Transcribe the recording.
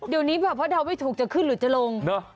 เดี๋ยวนี้แบบว่าเดาไม่ถูกจะขึ้นหรือจะลง